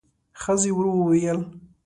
ښځې ورو وویل: